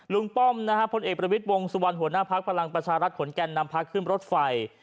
ลุงป้อมพลเอกบริวิตวงสวรรค์หัวหน้าภักดิ์ประชารัฐขนแก่นำพักขึ้นรถไฟ